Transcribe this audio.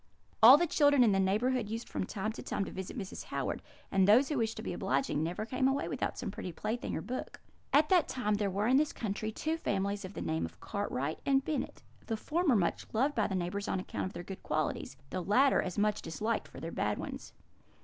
All the children in the neighbourhood used from time to time to visit Mrs. Howard; and those who wished to be obliging never came away without some pretty plaything or book. "At that time there were in this country two families of the name of Cartwright and Bennet; the former much beloved by the neighbours on account of their good qualities; the latter as much disliked for their bad ones.